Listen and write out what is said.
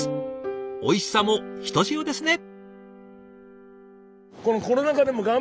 おいしさもひとしおですね。